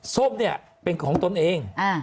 โซ่บเป็นของตนเอง